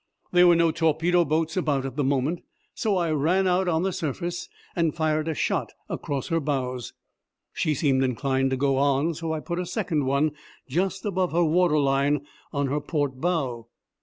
There were no torpedo boats about at the moment, so I ran out on the surface and fired a shot across her bows. She seemed inclined to go on so I put a second one just above her water line on her port bow.